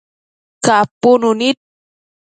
capunu nid